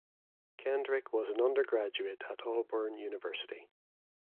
Kendrick was an undergraduate at Auburn University.